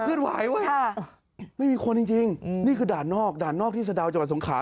เว้ยไม่มีคนจริงจริงนี่คือด่านนอกด่านนอกที่สะดาวจังหวัดสงขา